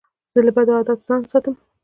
زه له بدو عادتو ځان ساتم.